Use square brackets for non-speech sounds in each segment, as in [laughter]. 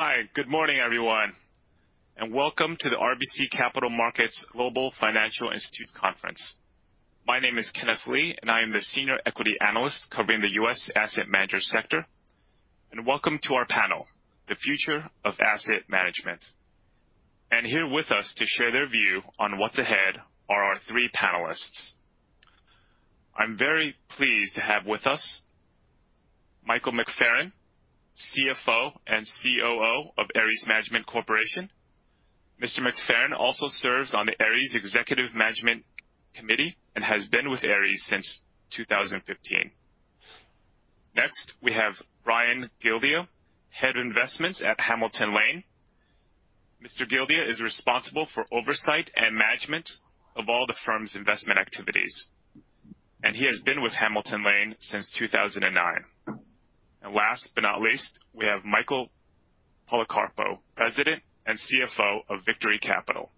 Hi, good morning, everyone, welcome to the RBC Capital Markets Global Financial Institutions Conference. My name is Kenneth Lee, I am the senior equity analyst covering the U.S. asset manager sector. Welcome to our panel, The Future of Asset Management. Here with us to share their view on what's ahead are our three panelists. I'm very pleased to have with us Michael McFerran, CFO and COO of Ares Management Corporation. Mr. McFerran also serves on the Ares Executive Management Committee and has been with Ares since 2015. Next, we have Brian Gildea, Head of Investments at Hamilton Lane. Mr. Gildea is responsible for oversight and management of all the firm's investment activities, and he has been with Hamilton Lane since 2009. Last but not least, we have Michael Policarpo, President and CFO of Victory Capital.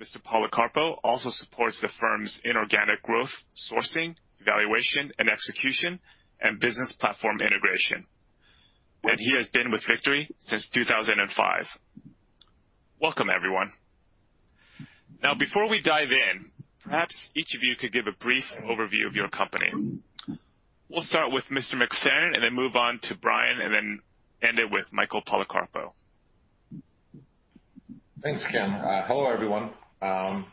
Mr. Policarpo also supports the firm's inorganic growth sourcing, valuation and execution, and business platform integration. He has been with Victory since 2005. Welcome, everyone. Before we dive in, perhaps each of you could give a brief overview of your company. We'll start with Mr. McFerran and then move on to Brian, and then end it with Michael Policarpo. Thanks, Ken. Hello, everyone. I'm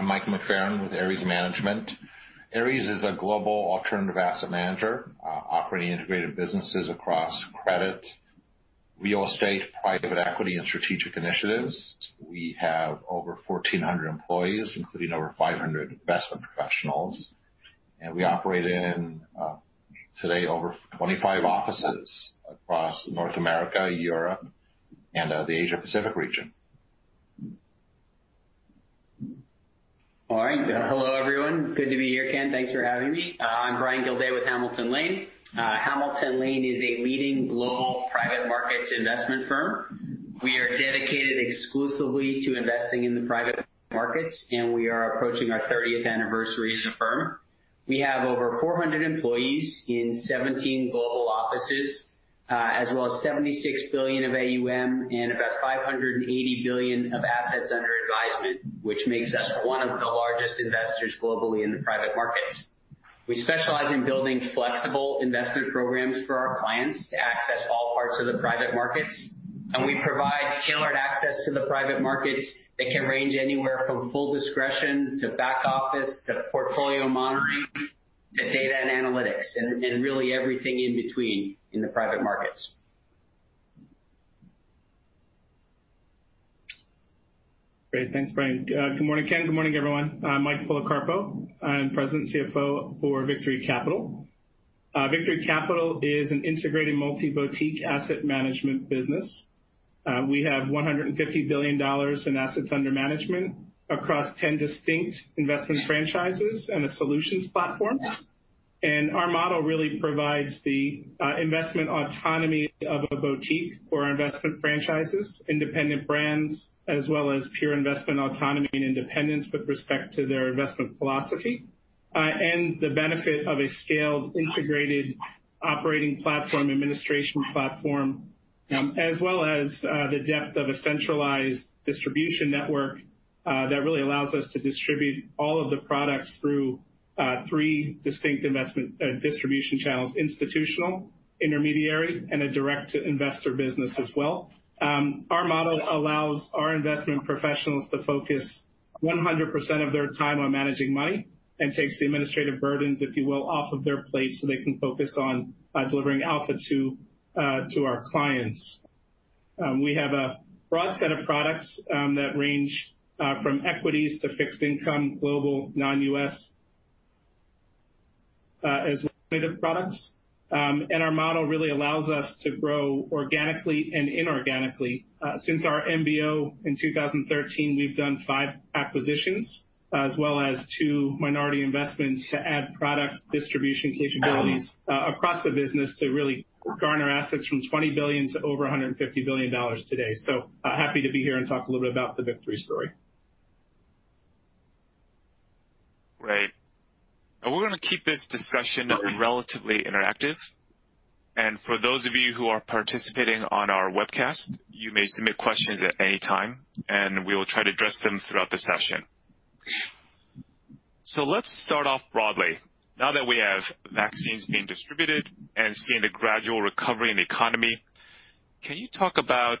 Mike McFerran with Ares Management. Ares is a global alternative asset manager, operating integrated businesses across credit, real estate, private equity, and strategic initiatives. We have over 1,400 employees, including over 500 investment professionals, and we operate in, today, over 25 offices across North America, Europe, and the Asia Pacific region. All right. Hello, everyone. Good to be here, Ken. Thanks for having me. I'm Brian Gildea with Hamilton Lane. Hamilton Lane is a leading global private markets investment firm. We are dedicated exclusively to investing in the private markets. We are approaching our 30th anniversary as a firm. We have over 400 employees in 17 global offices, as well as $76 billion of AUM and about $580 billion of assets under advisement, which makes us one of the largest investors globally in the private markets. We specialize in building flexible investment programs for our clients to access all parts of the private markets. We provide tailored access to the private markets that can range anywhere from full discretion to back office, to portfolio monitoring, to data and analytics and really everything in between in the private markets. Great. Thanks, Brian. Good morning, Ken. Good morning, everyone. I'm Mike Policarpo. I'm President and CFO for Victory Capital. Victory Capital is an integrated multi-boutique asset management business. We have $150 billion in assets under management across 10 distinct investment franchises and a solutions platform. Our model really provides the investment autonomy of a boutique for our investment franchises, independent brands, as well as pure investment autonomy and independence with respect to their investment philosophy, and the benefit of a scaled, integrated operating platform, administration platform, as well as the depth of a centralized distribution network that really allows us to distribute all of the products through three distinct investment distribution channels, institutional, intermediary, and a direct-to-investor business as well. Our model allows our investment professionals to focus 100% of their time on managing money and takes the administrative burdens, if you will, off of their plate so they can focus on delivering alpha to our clients. We have a broad set of products that range from equities to fixed income, global non-U.S., as well as products. Our model really allows us to grow organically and inorganically. Since our MBO in 2013, we've done five acquisitions as well as two minority investments to add product distribution capabilities across the business to really garner assets from $20 billion to over $150 billion today. Happy to be here and talk a little bit about the Victory story. Great. We're going to keep this discussion relatively interactive. For those of you who are participating on our webcast, you may submit questions at any time, and we will try to address them throughout the session. Let's start off broadly. Now that we have vaccines being distributed and seeing the gradual recovery in the economy, can you talk about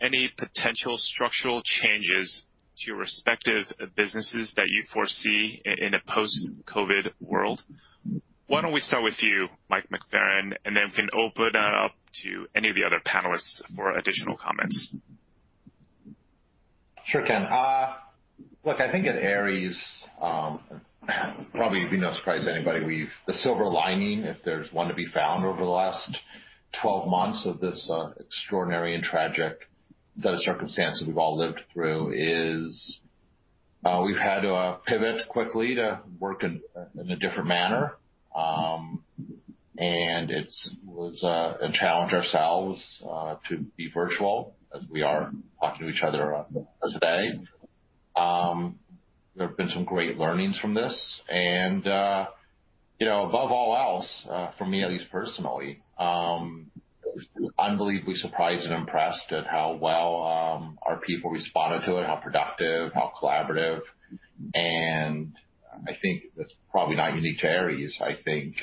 any potential structural changes to your respective businesses that you foresee in a post-COVID world? Why don't we start with you, Mike McFerran, and then we can open it up to any of the other panelists for additional comments. Sure, Ken. Look, I think at Ares, probably it'd be no surprise to anybody, the silver lining, if there's one to be found over the last 12 months of this extraordinary and tragic set of circumstances we've all lived through, is we've had to pivot quickly to work in a different manner. It was a challenge ourselves, to be virtual as we are talking to each other today. There have been some great learnings from this. Above all else, for me at least personally, unbelievably surprised and impressed at how well our people responded to it, how productive, how collaborative, and I think that's probably not unique to Ares. I think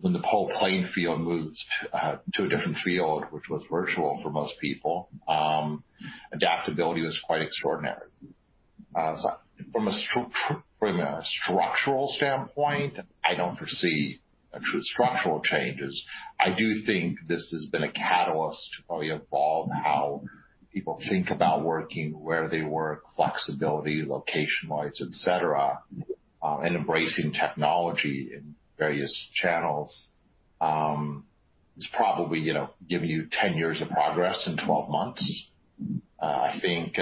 when the whole playing field moves to a different field, which was virtual for most people, adaptability was quite extraordinary. From a structural standpoint, I don't foresee true structural changes. I do think this has been a catalyst to probably evolve how people think about working, where they work, flexibility, location-wise, et cetera, and embracing technology in various channels. It's probably giving you 10 years of progress in 12 months. I think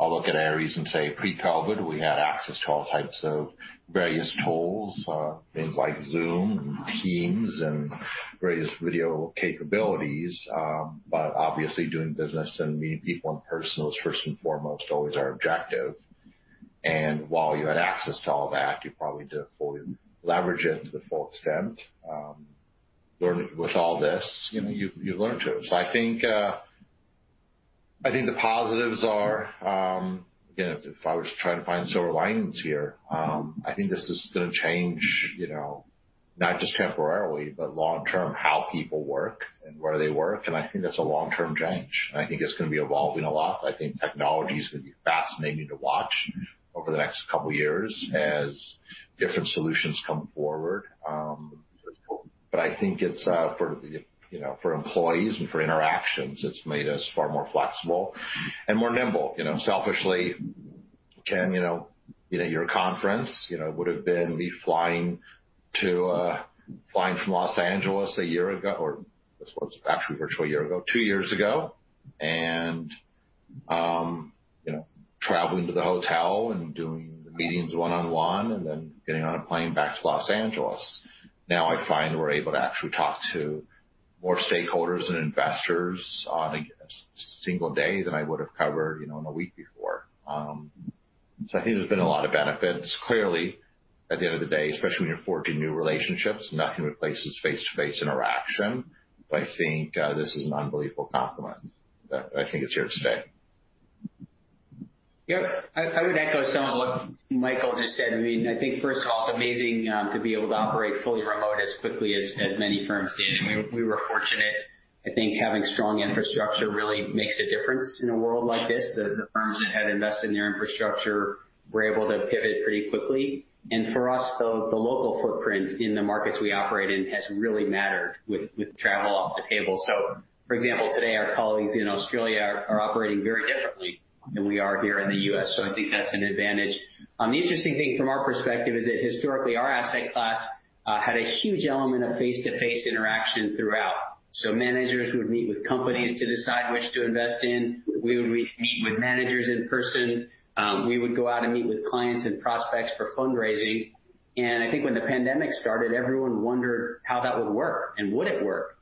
I'll look at Ares and say pre-COVID, we had access to all types of various tools, things like Zoom and Teams and various video capabilities. Obviously doing business and meeting people in person was first and foremost always our objective. While you had access to all that, you probably didn't fully leverage it to the full extent. I think the positives are, again, if I was trying to find silver linings here, I think this is going to change not just temporarily, but long term, how people work and where they work. I think that's a long-term change, and I think it's going to be evolving a lot. I think technology's going to be fascinating to watch over the next couple of years as different solutions come forward. I think for employees and for interactions, it's made us far more flexible and more nimble. Selfishly, Ken, your conference would have been me flying from Los Angeles a year ago, or this was actually virtual a year ago, two years ago, and traveling to the hotel and doing the meetings one-on-one, and then getting on a plane back to Los Angeles. Now I find we're able to actually talk to more stakeholders and investors on a single day than I would have covered in a week before. I think there's been a lot of benefits. Clearly, at the end of the day, especially when you're forging new relationships, nothing replaces face-to-face interaction. I think this is an unbelievable complement that I think is here to stay. Yep. I would echo some of what Michael just said. I think first of all, it's amazing to be able to operate fully remote as quickly as many firms did, and we were fortunate. I think having strong infrastructure really makes a difference in a world like this. The firms that had invested in their infrastructure were able to pivot pretty quickly. For us, the local footprint in the markets we operate in has really mattered with travel off the table. For example, today, our colleagues in Australia are operating very differently than we are here in the U.S. I think that's an advantage. The interesting thing from our perspective is that historically, our asset class had a huge element of face-to-face interaction throughout. Managers would meet with companies to decide which to invest in. We would meet with managers in person. We would go out and meet with clients and prospects for fundraising. I think when the pandemic started, everyone wondered how that would work, and would it work.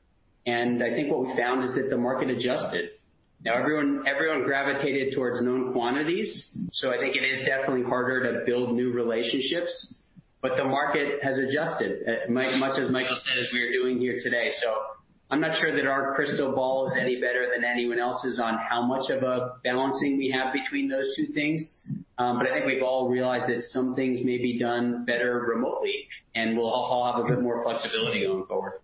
I think what we found is that the market adjusted. Now everyone gravitated towards known quantities. I think it is definitely harder to build new relationships. The market has adjusted, much as Michael said, as we are doing here today. I'm not sure that our crystal ball is any better than anyone else's on how much of a balancing we have between those two things. I think we've all realized that some things may be done better remotely, and we'll all have a bit more flexibility going forward.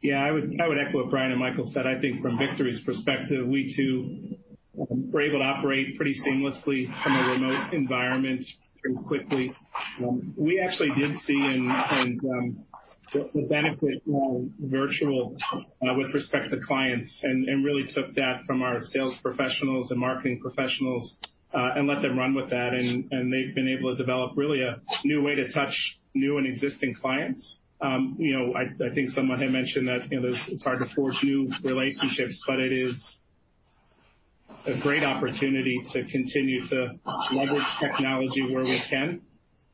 Yeah, I would echo what Brian and Michael said. I think from Victory's perspective, we too were able to operate pretty seamlessly from a remote environment pretty quickly. We actually did see the benefit from virtual with respect to clients, and really took that from our sales professionals and marketing professionals, and let them run with that, and they've been able to develop really a new way to touch new and existing clients. I think someone had mentioned that it's hard to forge new relationships, but it is a great opportunity to continue to leverage technology where we can,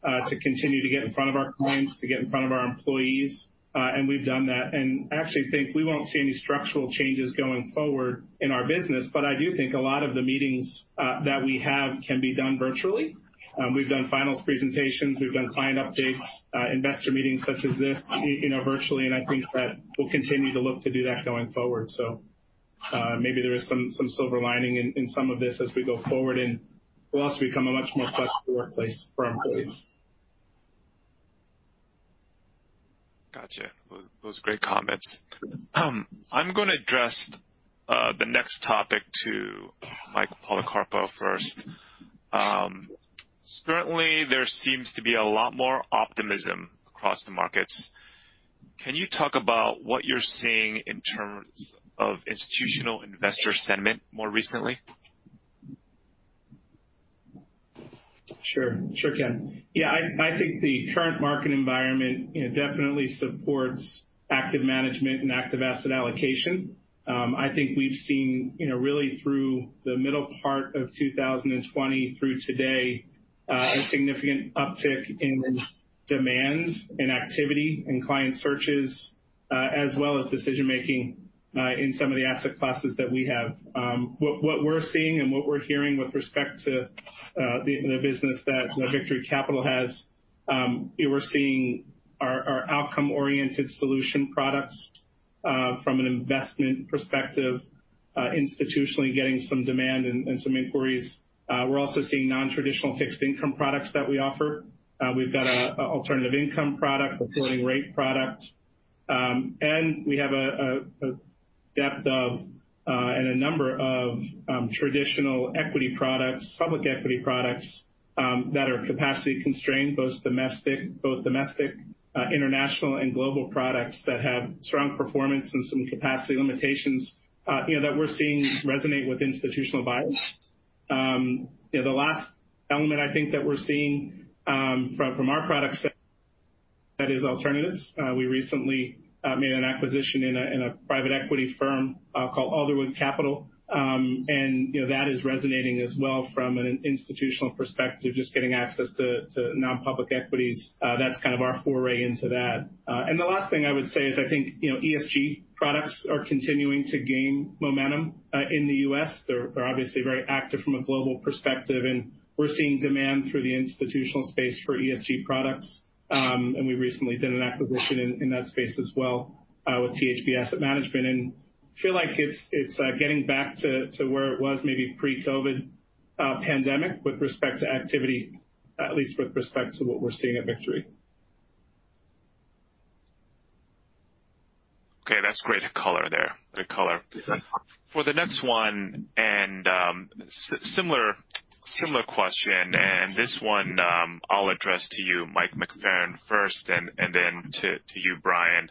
to continue to get in front of our clients, to get in front of our employees. We've done that. I actually think we won't see any structural changes going forward in our business. I do think a lot of the meetings that we have can be done virtually. We've done finals presentations, we've done client updates, investor meetings such as this virtually, and I think that we'll continue to look to do that going forward. Maybe there is some silver lining in some of this as we go forward, and it'll also become a much more flexible workplace for our employees. Got you. Those were great comments. I'm going to address the next topic to Mike Policarpo first. Currently, there seems to be a lot more optimism across the markets. Can you talk about what you're seeing in terms of institutional investor sentiment more recently? Sure, Ken. I think the current market environment definitely supports active management and active asset allocation. I think we've seen really through the middle part of 2020 through today. A significant uptick in demand and activity in client searches, as well as decision-making in some of the asset classes that we have. What we're seeing and what we're hearing with respect to the business that Victory Capital has, we're seeing our outcome-oriented solution products from an investment perspective, institutionally getting some demand and some inquiries. We're also seeing non-traditional fixed income products that we offer. We've got an Alternative Income product, a floating rate product, and we have a depth of and a number of traditional equity products, public equity products, that are capacity constrained, both domestic, international, and global products that have strong performance and some capacity limitations that we're seeing resonate with institutional buyers. The last element I think that we're seeing from our product set, that is alternatives. We recently made an acquisition in a private equity firm called Alderwood Capital. That is resonating as well from an institutional perspective, just getting access to non-public equities. That's kind of our foray into that. The last thing I would say is I think, ESG products are continuing to gain momentum in the U.S. They're obviously very active from a global perspective, and we're seeing demand through the institutional space for ESG products. We recently did an acquisition in that space as well, with THB Asset Management. Feel like it's getting back to where it was maybe pre-COVID pandemic with respect to activity, at least with respect to what we're seeing at Victory. Okay. That's great color there. Great color. For the next one, and similar question, and this one I'll address to you, Mike McFerran, first, and then to you, Brian.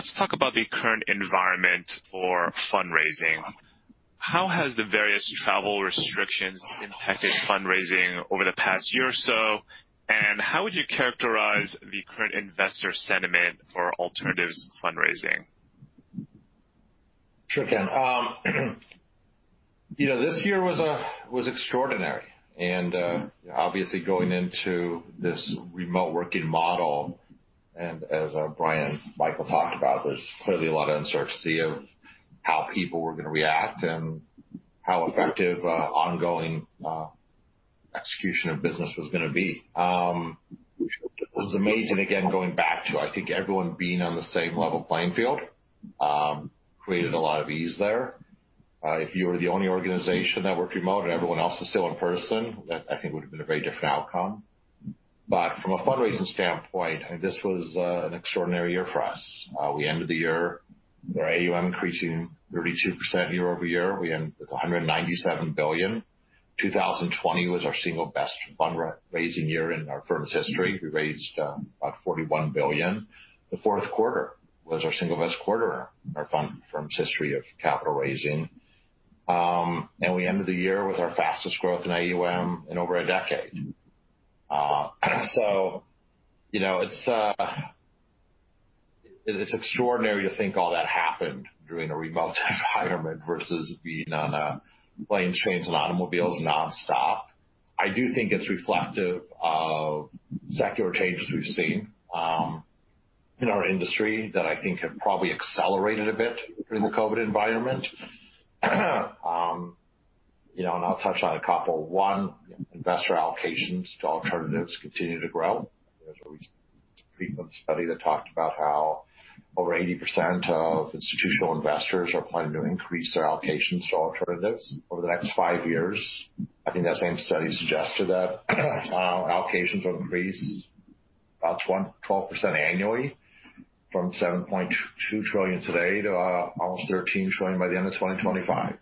Let's talk about the current environment for fundraising. How has the various travel restrictions impacted fundraising over the past year or so, and how would you characterize the current investor sentiment for alternatives fundraising? Sure can. This year was extraordinary, obviously going into this remote working model, and as Brian Michael talked about, there's clearly a lot of uncertainty of how people were going to react and how effective ongoing execution of business was going to be. It was amazing, again, going back to, I think everyone being on the same level playing field created a lot of ease there. If you were the only organization that worked remote and everyone else was still in person, that I think would've been a very different outcome. From a fundraising standpoint, I think this was an extraordinary year for us. We ended the year, our AUM increasing 32% year-over-year. We ended with $197 billion. 2020 was our single best fundraising year in our firm's history. We raised about $41 billion. The fourth quarter was our single best quarter in our firm's history of capital raising. We ended the year with our fastest growth in AUM in over a decade. It's extraordinary to think all that happened during a remote environment versus being on planes, trains, and automobiles nonstop. I do think it's reflective of secular changes we've seen in our industry that I think have probably accelerated a bit during the COVID environment. I'll touch on a couple. One, investor allocations to alternatives continue to grow. There was a recent Preqin study that talked about how over 80% of institutional investors are planning to increase their allocations to alternatives over the next five years. I think that same study suggested that allocations will increase about 12% annually from $7.2 trillion today to almost $13 trillion by the end of 2025.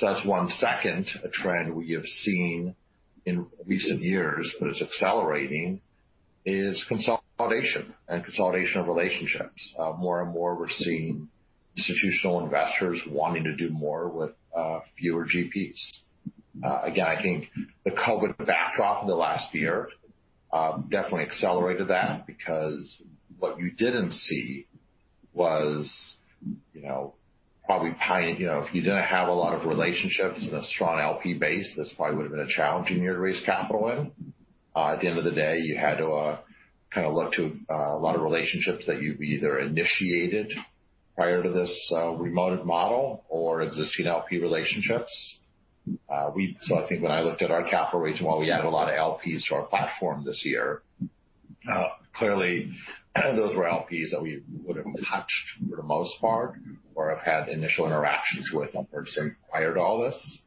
That's one. Second trend we have seen in recent years, but it's accelerating, is consolidation and consolidation of relationships. More and more, we're seeing institutional investors wanting to do more with fewer GPs. Again, I think the COVID backdrop in the last year definitely accelerated that because what you didn't see was probably, if you didn't have a lot of relationships and a strong LP base, this probably would've been a challenging year to raise capital in. At the end of the day, you had to look to a lot of relationships that you've either initiated prior to this remote model or existing LP relationships. I think when I looked at our capital raise, while we added a lot of LPs to our platform this year, clearly those were LPs that we would've touched for the most part or have had initial interactions with them prior to all this.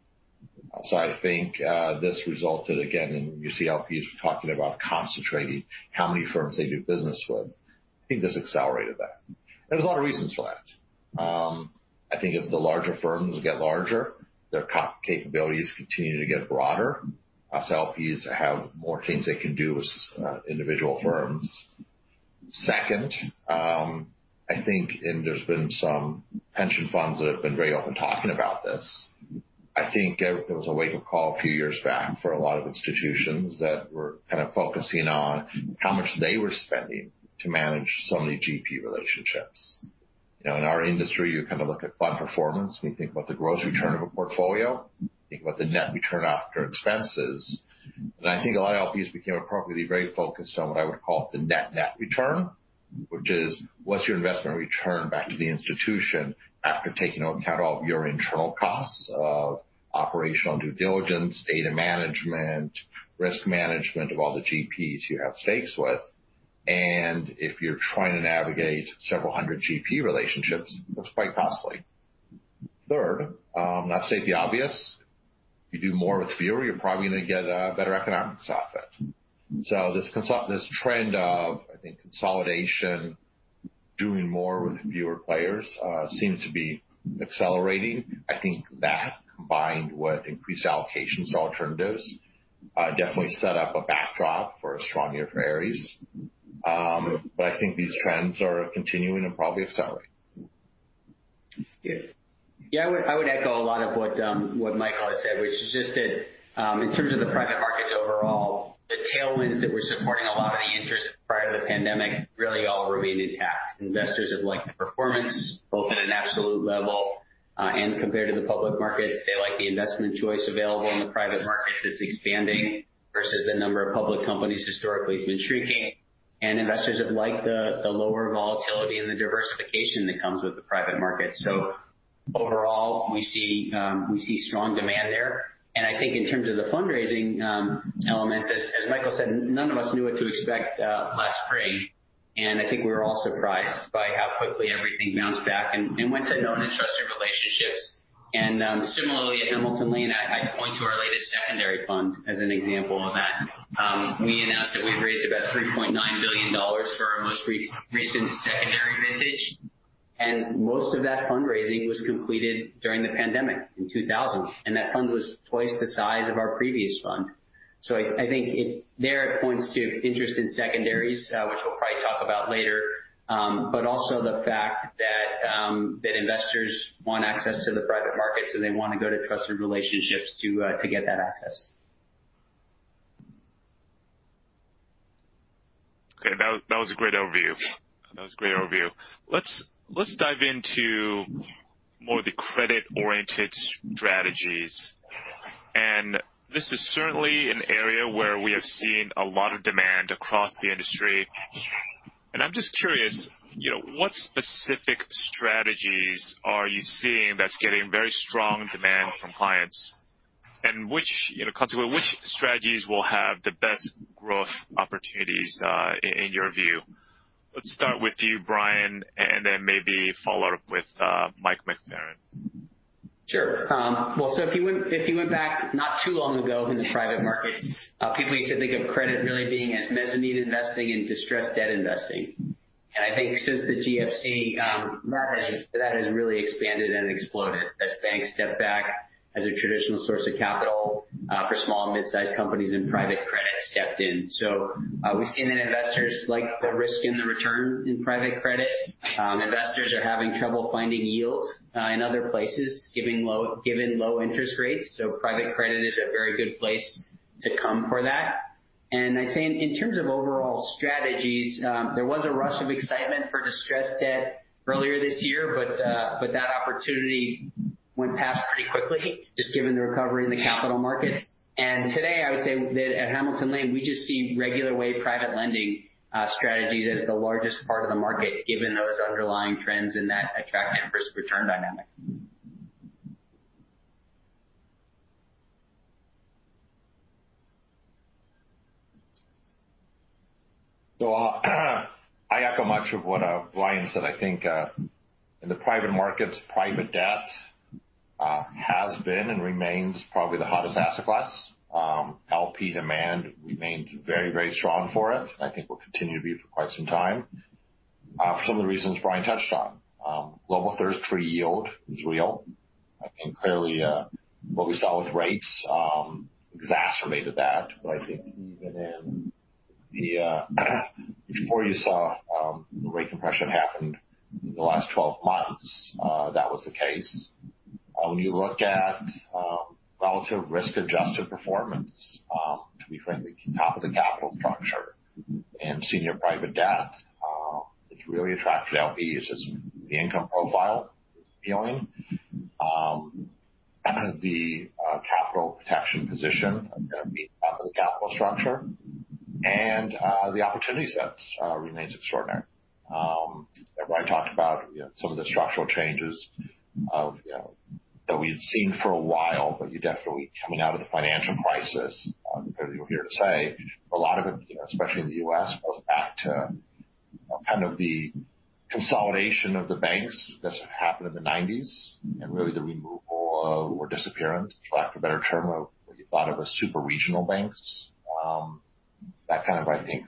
I think this resulted, again, in you see LPs talking about concentrating how many firms they do business with. I think this accelerated that. There's a lot of reasons for that. I think as the larger firms get larger, their capabilities continue to get broader, us LPs have more things they can do with individual firms. Second, I think, and there's been some pension funds that have been very open talking about this. I think it was a wake-up call a few years back for a lot of institutions that were kind of focusing on how much they were spending to manage so many GP relationships. In our industry, you look at fund performance. We think about the gross return of a portfolio, think about the net return after expenses. I think a lot of LPs became appropriately very focused on what I would call the net return, which is what's your investment return back to the institution after taking into account all of your internal costs of operational due diligence, data management, risk management of all the GPs you have stakes with? If you're trying to navigate several hundred GP relationships, that's quite costly. Third, not to state the obvious, if you do more with fewer, you're probably going to get better economics off it. This trend of, I think, consolidation, doing more with fewer players, seems to be accelerating. I think that combined with increased allocations to alternatives, definitely set up a backdrop for a strong year for Ares. I think these trends are continuing and probably accelerating. Yeah. I would echo a lot of what Michael has said, which is just that, in terms of the private markets overall, the tailwinds that were supporting a lot of the interest prior to the pandemic really all remain intact. Investors have liked the performance, both at an absolute level and compared to the public markets. They like the investment choice available in the private markets. It's expanding versus the number of public companies historically has been shrinking. Investors have liked the lower volatility and the diversification that comes with the private market. Overall, we see strong demand there. I think in terms of the fundraising elements, as Michael said, none of us knew what to expect last spring. I think we were all surprised by how quickly everything bounced back and went to known and trusted relationships. Similarly, at Hamilton Lane, I'd point to our latest secondary fund as an example of that. We announced that we've raised about $3.9 billion for our most recent secondary vintage, most of that fundraising was completed during the pandemic in 2000. That fund was twice the size of our previous fund. I think there it points to interest in secondaries, which we'll probably talk about later. Also the fact that investors want access to the private market, they want to go to trusted relationships to get that access. Okay. That was a great overview. Let's dive into more of the credit-oriented strategies. This is certainly an area where we have seen a lot of demand across the industry. I'm just curious, what specific strategies are you seeing that's getting very strong demand from clients? Consequently, which strategies will have the best growth opportunities, in your view? Let's start with you, Brian, and then maybe follow up with Mike McFerran. Sure. If you went back not too long ago in the private markets, people used to think of credit really being as mezzanine investing and distressed debt investing. I think since the GFC, that has really expanded and exploded as banks stepped back as a traditional source of capital for small and mid-sized companies, and private credit stepped in. We've seen that investors like the risk and the return in private credit. Investors are having trouble finding yield in other places, given low interest rates. Private credit is a very good place to come for that. I'd say in terms of overall strategies, there was a rush of excitement for distressed debt earlier this year, that opportunity went past pretty quickly, just given the recovery in the capital markets. Today, I would say that at Hamilton Lane, we just see regular way private lending strategies as the largest part of the market, given those underlying trends and that attractive risk-return dynamic. I echo much of what Brian said. I think, in the private markets, private debt has been and remains probably the hottest asset class. LP demand remains very strong for it. I think will continue to be for quite some time. For some of the reasons Brian touched on. Global thirst for yield is real. I think clearly, what we saw with rates exacerbated that. I think even in the, before you saw the rate compression happened in the last 12 months, that was the case. When you look at relative risk-adjusted performance, to be frankly, top of the capital structure in senior private debt, it's really attractive to LPs as the income profile is appealing. The capital protection position of being at the top of the capital structure, the opportunity set remains extraordinary. I talked about some of the structural changes that we've seen for a while, but you're definitely coming out of the financial crisis. You'll hear us say a lot of it, especially in the U.S., goes back to kind of the consolidation of the banks that's happened in the '90s, and really the removal of, or disappearance, for lack of a better term, of what you thought of as super regional banks. That kind of, I think,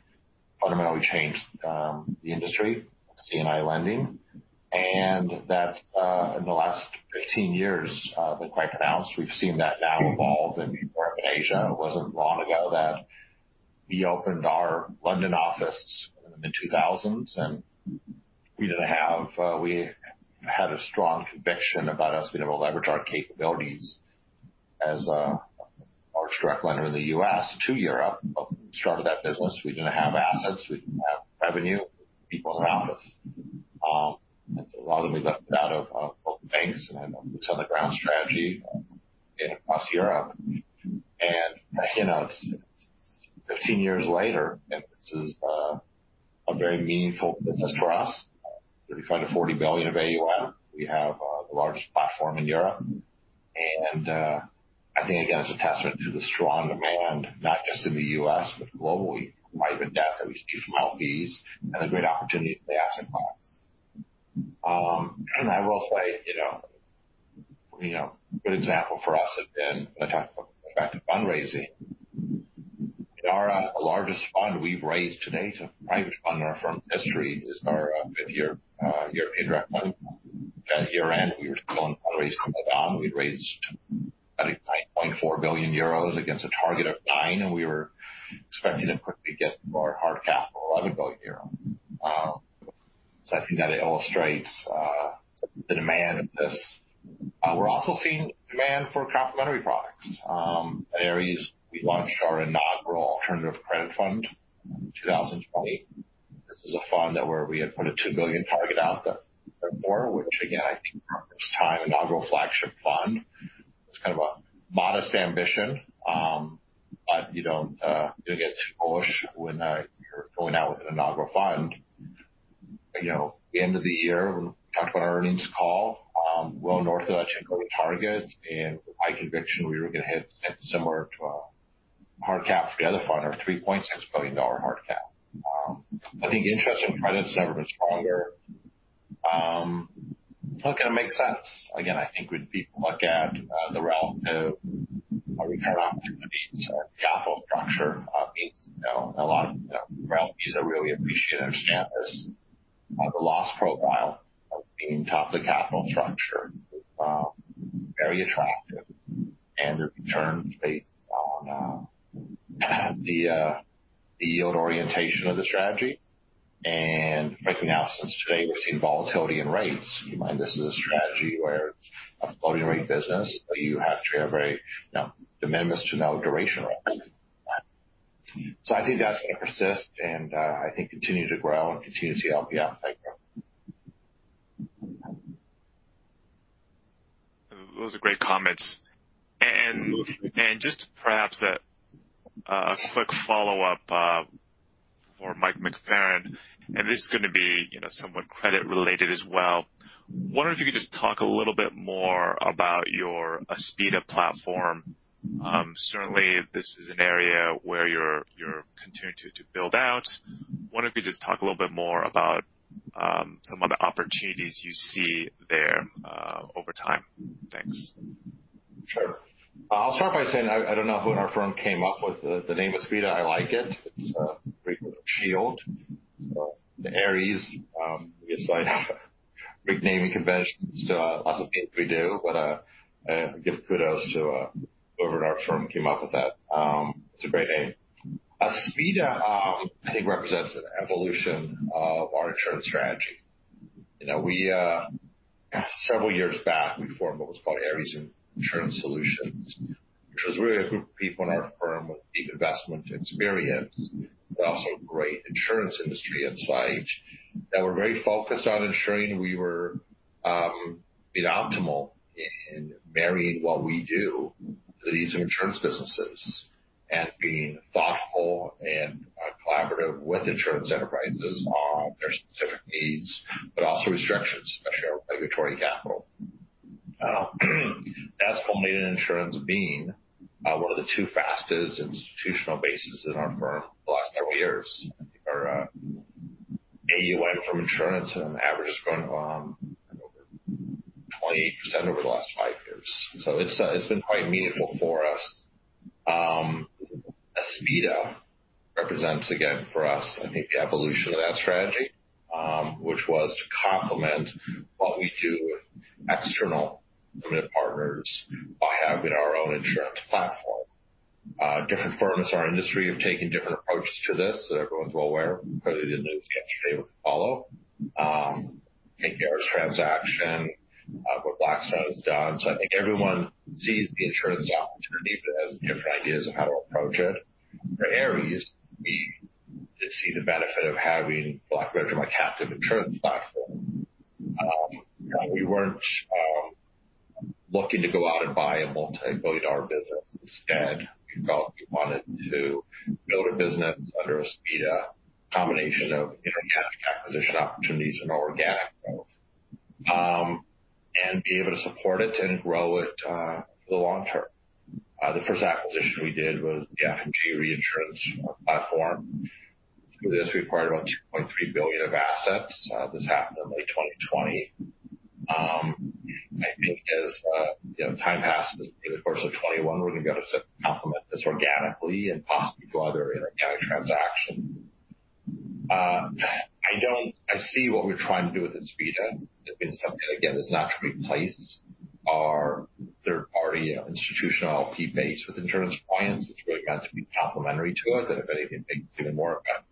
fundamentally changed the industry of C&I lending. That in the last 15 years, been quite pronounced. We've seen that now evolved and more up in Asia. It wasn't long ago that we opened our London office in the mid-2000s, and we had a strong conviction about us being able to leverage our capabilities as a direct lender in the U.S. to Europe. Started that business. We didn't have assets, we didn't have revenue, people around us. A lot of them we got out of both banks, then boots on the ground strategy across Europe. 15 years later, this is a very meaningful business for us. $35 billion to $40 billion of AUM. We have the largest platform in Europe. I think, again, it's a testament to the strong demand, not just in the U.S., but globally, for private debt, at least from LPs, and a great opportunity for the asset class. I will say, a good example for us has been when I talk about effective fundraising. Our largest fund we've raised to date of private fund in our firm history is our fifth year European direct fund. At year-end, we were still in fundraise mode. We'd raised [audio distortion] against a target of nine. We were expecting to quickly get more hard capital, EUR 11 billion. I think that illustrates the demand of this. We're also seeing demand for complementary products. At Ares, we launched our inaugural alternative credit fund in 2020. This is a fund that where we had put a $2 billion target out there or more, which again, I think first-time inaugural flagship fund. It's kind of a modest ambition. You don't get too bullish when you're going out with an inaugural fund. The end of the year, when we talked about our earnings call, well north of that $2 billion target, and my conviction we were going to hit similar to our hard cap for the other fund of $3.6 billion. I think interest in credit's never been stronger. Look, it makes sense. I think when people look at the relative return opportunities or capital structure needs, a lot of LPs are really appreciate and understand this. The loss profile of being top of the capital structure is very attractive, and the returns based on the yield orientation of the strategy. Frankly now since today we're seeing volatility in rates, keep in mind this is a strategy where a floating rate business, but you actually have very de minimis to no duration risk. I think that's going to persist and I think continue to grow and continue to see LP appetite grow. Those are great comments. Just perhaps a quick follow-up for Mike McFerran, and this is going to be somewhat credit related as well. Wondering if you could just talk a little bit more about your Aspida platform. Certainly, this is an area where you're continuing to build out. Wonder if you could just talk a little bit more about some of the opportunities you see there over time. Thanks. Sure. I'll start by saying I don't know who in our firm came up with the name Aspida. I like it. It's a Greek shield. The Ares, we assign out Greek naming conventions to lots of things we do, but I give kudos to whoever in our firm came up with that. It's a great name. Aspida, I think represents an evolution of our insurance strategy. Several years back, we formed what was called Ares Insurance Solutions, which was really a group of people in our firm with deep investment experience, but also great insurance industry insight that were very focused on ensuring we were being optimal in marrying what we do to the needs of insurance businesses. Being thoughtful and collaborative with insurance enterprises on their specific needs, but also restrictions, especially our regulatory capital. That's culminated in insurance being one of the two fastest institutional bases in our firm the last several years. I think our AUM from insurance on average has grown over 28% over the last five years. It's been quite meaningful for us. Aspida represents, again, for us, I think the evolution of that strategy, which was to complement what we do with external limited partners by having our own insurance platform. Different firms in our industry have taken different approaches to this, that everyone's well aware. Probably the news yesterday would follow. Thinking Ares transaction, what Blackstone has done. I think everyone sees the insurance opportunity but has different ideas of how to approach it. For Ares, we did see the benefit of having virtual, like captive insurance platform. We weren't looking to go out and buy a multi-billion dollar business. Instead, we felt we wanted to build a business under Aspida combination of inorganic acquisition opportunities and organic growth. Be able to support it and grow it for the long term. The first acquisition we did was the F&G Reinsurance platform. This required about $2.3 billion of assets. This happened in late 2020. I think as time passes through the course of 2021, we're going to be able to complement this organically and possibly do other inorganic transaction. I see what we're trying to do with Aspida as being something, again, that's not to replace our third party institutional LP base with insurance clients. It's really meant to be complementary to it. If anything, make even more effective.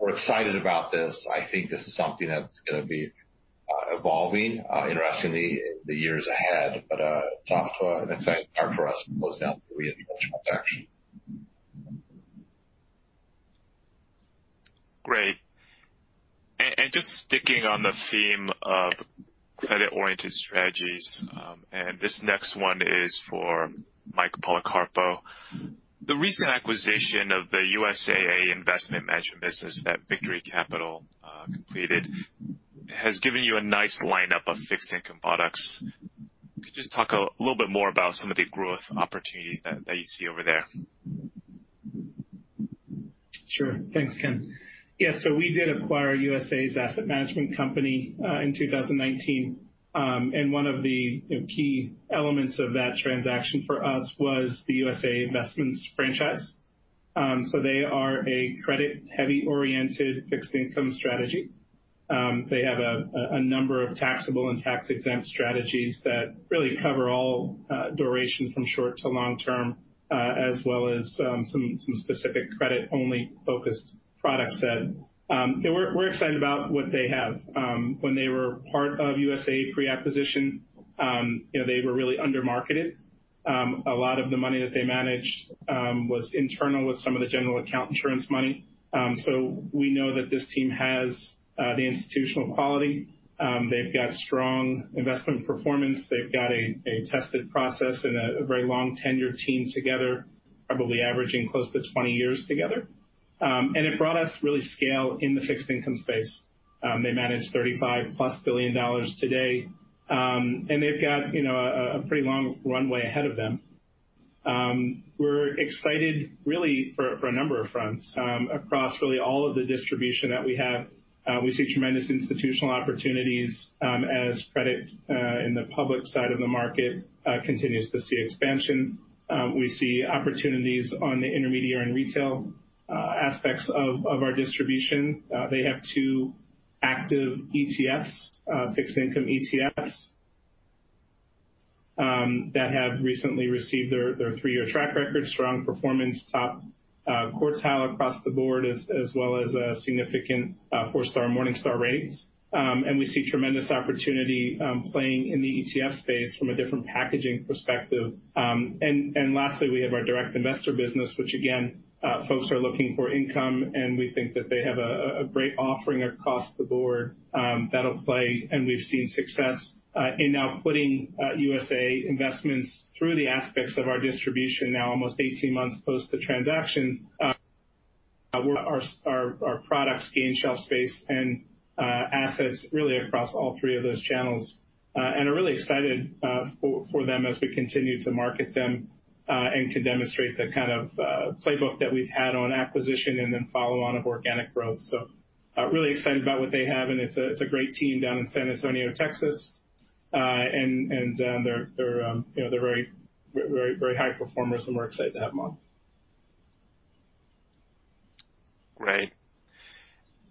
We're excited about this. I think this is something that's going to be evolving interestingly in the years ahead. It's an exciting time for us to close down the three institutional transactions. Great. Just sticking on the theme of credit-oriented strategies, this next one is for Mike Policarpo. The recent acquisition of the USAA Asset Management Company that Victory Capital completed has given you a nice lineup of fixed income products. Could you just talk a little bit more about some of the growth opportunities that you see over there? Sure. Thanks, Ken. Yeah, we did acquire USAA Asset Management Company in 2019. One of the key elements of that transaction for us was the USAA Investments franchise. They are a credit-heavy oriented fixed income strategy. They have a number of taxable and tax-exempt strategies that really cover all duration from short to long term, as well as some specific credit-only focused product set. We're excited about what they have. When they were part of USAA pre-acquisition, they were really under-marketed. A lot of the money that they managed was internal with some of the general account insurance money. We know that this team has the institutional quality. They've got strong investment performance. They've got a tested process and a very long tenured team together, probably averaging close to 20 years together. It brought us really scale in the fixed income space. They manage $35 billion+ today. They've got a pretty long runway ahead of them. We're excited really for a number of fronts. Across really all of the distribution that we have, we see tremendous institutional opportunities as credit in the public side of the market continues to see expansion. We see opportunities on the intermediary and retail aspects of our distribution. They have two active ETFs, fixed income ETFs, that have recently received their three-year track record, strong performance, top quartile across the board, as well as significant four-star Morningstar ratings. We see tremendous opportunity playing in the ETF space from a different packaging perspective. Lastly, we have our direct investor business, which again folks are looking for income, and we think that they have a great offering across the board that'll play. We've seen success in now putting USAA Investments through the aspects of our distribution now almost 18 months post the transaction. Our products gain shelf space and assets really across all three of those channels. Are really excited for them as we continue to market them, and can demonstrate the kind of playbook that we've had on acquisition and then follow on of organic growth. Really excited about what they have, and it's a great team down in San Antonio, Texas. They're very high performers, and we're excited to have them on. Great.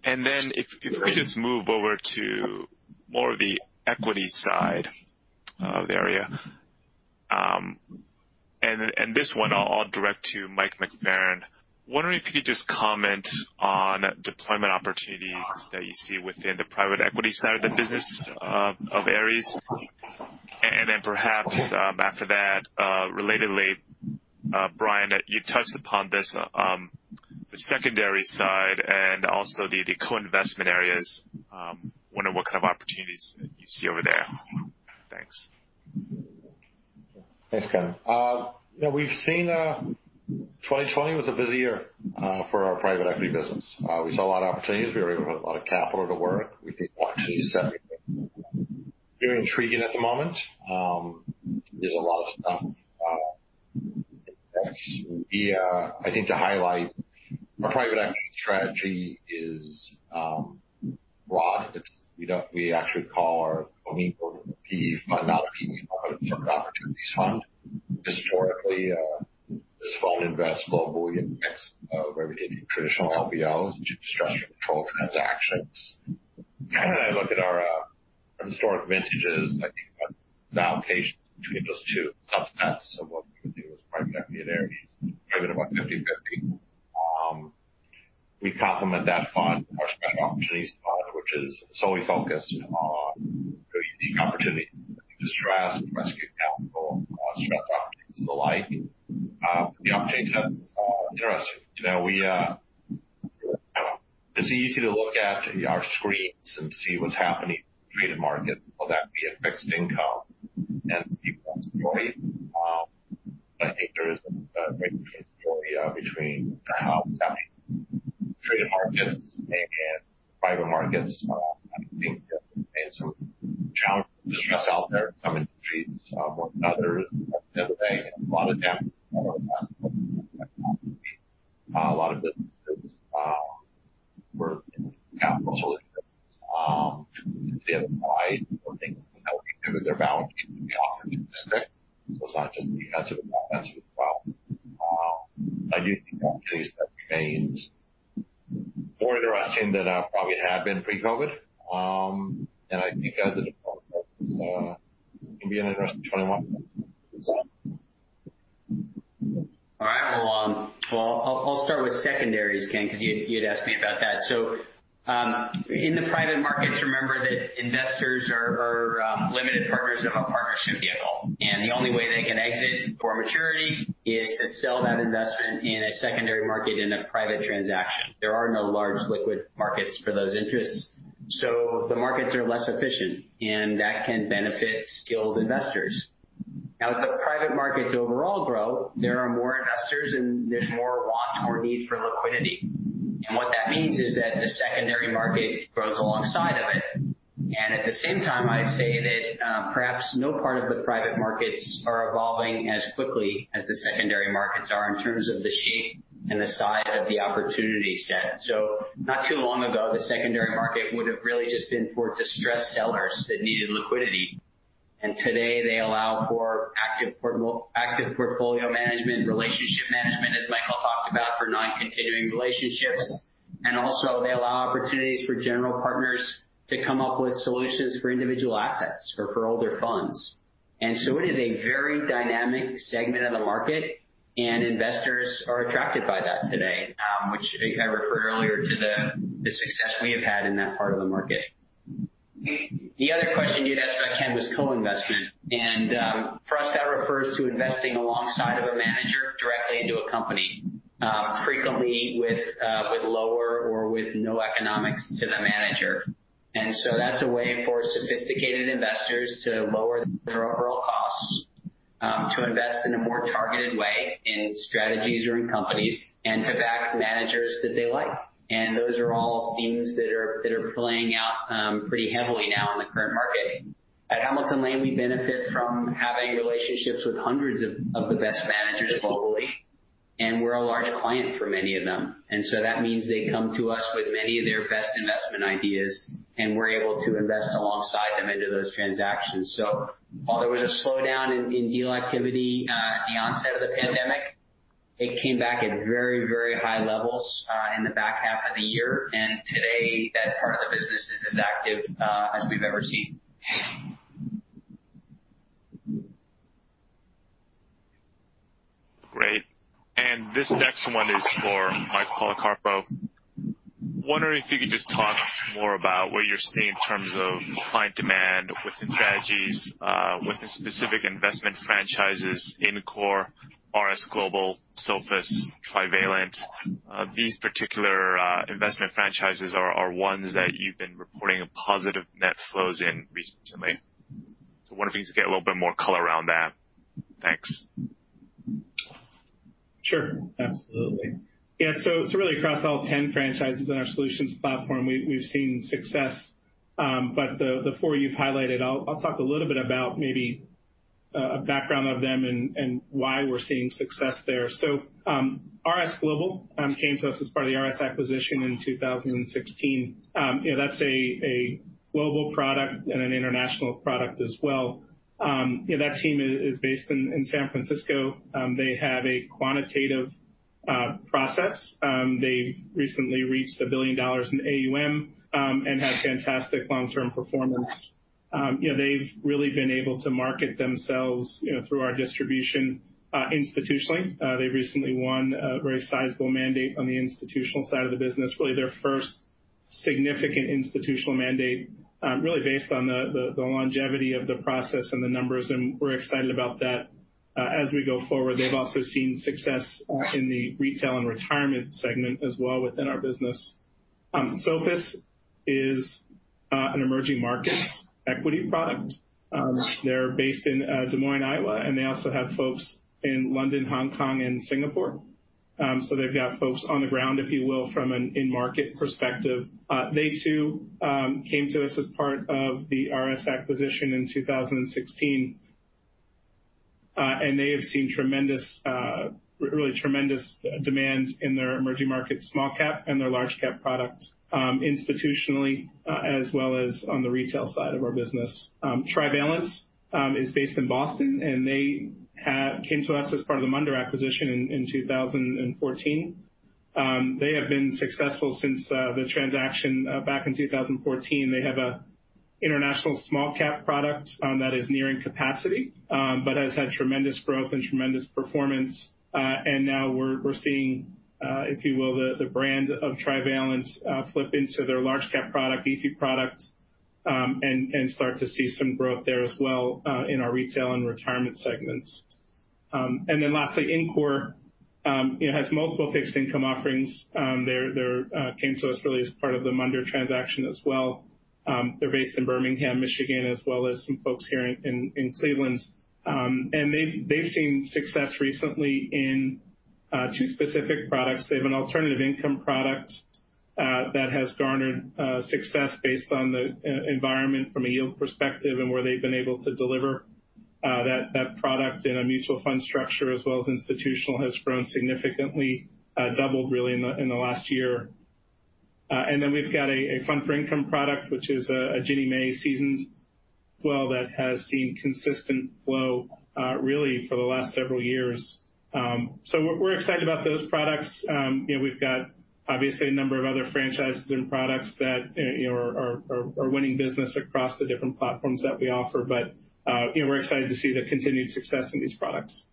Then if we just move over to more of the equity side of the area. This one I'll direct to Mike McFerran. Wondering if you could just comment on deployment opportunities that you see within the private equity side of the business of Ares. Then perhaps after that, relatedly Brian, you touched upon this the secondary side and also the co-investment areas. Wonder what kind of opportunities you see over there. Thanks. Thanks, Ken. 2020 was a busy year for our private equity business. We saw a lot of opportunities. We were able to put a lot of capital to work. We think the opportunity set very intriguing at the moment. There's a lot of stuff that's via, I think to highlight our private equity strategy is broad. We actually call our fund an opportunities fund. Historically, this fund invests globally in a mix of everything traditional LBOs, distressed or controlled transactions. Kind of look at our historic vintages like the foundation between those two. In some sense of what we do as private equity at Ares is probably about 50/50. We complement that fund with our, [audio distortion] which is solely focused on very unique opportunities, distressed, rescue capital, stressed opportunities, and the like. The opportunities have been interesting. It's easy to look at our screens and see what's happening in the traded market, whether that be in fixed income and see that story. I think there is a great difference in story between how value traded markets and private markets I think have made some challenges. Stress At the same time, I'd say that perhaps no part of the private markets are evolving as quickly as the secondary markets are in terms of the shape and the size of the opportunity set. Not too long ago, the secondary market would've really just been for distressed sellers that needed liquidity. Today, they allow for active portfolio management, relationship management, as Michael talked about, for non-continuing relationships. Also, they allow opportunities for general partners to come up with solutions for individual assets or for older funds. It is a very dynamic segment of the market, and investors are attracted by that today, which I referred earlier to the success we have had in that part of the market. The other question you'd asked about, Ken, was co-investment. For us, that refers to investing alongside of a manager directly into a company, frequently with lower or with no economics to the manager. That's a way for sophisticated investors to lower their overall costs, to invest in a more targeted way in strategies or in companies, and to back managers that they like. Those are all themes that are playing out pretty heavily now in the current market. At Hamilton Lane, we benefit from having relationships with hundreds of the best managers globally, and we're a large client for many of them. That means they come to us with many of their best investment ideas, and we're able to invest alongside them into those transactions. While there was a slowdown in deal activity at the onset of the pandemic, it came back at very high levels in the back half of the year. Today, that part of the business is as active as we've ever seen. Great. This next one is for Mike Policarpo. Wondering if you could just talk more about what you're seeing in terms of client demand within strategies, within specific investment franchises, INCORE, RS Global, Sophus, Trivalent. These particular investment franchises are ones that you've been reporting positive net flows in recently. Wondering if you could get a little bit more color around that. Thanks. Sure. Absolutely. Yeah. Really across all 10 franchises in our solutions platform, we've seen success. The four you've highlighted, I'll talk a little bit about maybe a background of them and why we're seeing success there. RS Global came to us as part of the RS acquisition in 2016. That's a global product and an international product as well. That team is based in San Francisco. They have a quantitative process. They recently reached $1 billion in AUM and had fantastic long-term performance. They've really been able to market themselves through our distribution institutionally. They recently won a very sizable mandate on the institutional side of the business, really their first significant institutional mandate, really based on the longevity of the process and the numbers, and we're excited about that. As we go forward, they've also seen success in the retail and retirement segment as well within our business. Sophus is an emerging markets equity product. They're based in Des Moines, Iowa, and they also have folks in London, Hong Kong, and Singapore. They've got folks on the ground, if you will, from an in-market perspective. They too came to us as part of the RS acquisition in 2016. They have seen really tremendous demand in their emerging markets, small cap, and their large cap product, institutionally, as well as on the retail side of our business. Trivalent is based in Boston, and they came to us as part of the Munder acquisition in 2014. They have been successful since the transaction back in 2014. They have an international small cap product that is nearing capacity, but has had tremendous growth and tremendous performance. Now we're seeing, if you will, the brand of Trivalent flip into their large cap product, EAFE product, and start to see some growth there as well in our retail and retirement segments. Lastly, INCORE has multiple fixed income offerings. They came to us really as part of the Munder transaction as well. They're based in Birmingham, Michigan, as well as some folks here in Cleveland. They've seen success recently in two specific products. They have an Alternative Income product that has garnered success based on the environment from a yield perspective, and where they've been able to deliver that product in a mutual fund structure as well as institutional, has grown significantly, doubled really in the last year. Then we've got a Fund for Income product, which is a Ginnie Mae seasoned as well that has seen consistent flow really for the last several years. We're excited about those products. We've got obviously a number of other franchises and products that are winning business across the different platforms that we offer. We're excited to see the continued success in these products.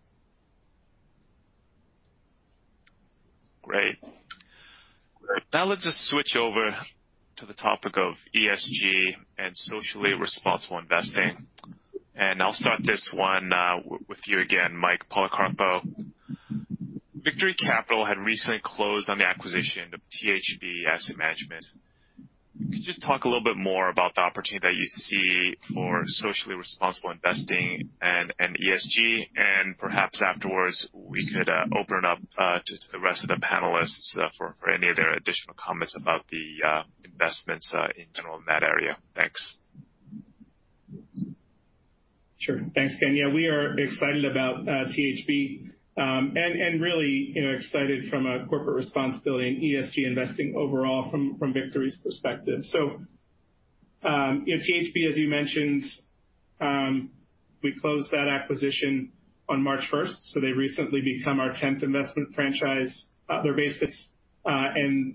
Now let's just switch over to the topic of ESG and socially responsible investing. I'll start this one with you again, Mike Policarpo. Victory Capital had recently closed on the acquisition of THB Asset Management. Could you just talk a little bit more about the opportunity that you see for socially responsible investing and ESG? Perhaps afterwards, we could open it up to the rest of the panelists for any of their additional comments about the investments in general in that area. Thanks. Sure. Thanks, Ken. Yeah, we are excited about THB. Really excited from a corporate responsibility and ESG investing overall from Victory's perspective. THB, as you mentioned, we closed that acquisition on March first, so they recently become our 10th investment franchise, their base fits.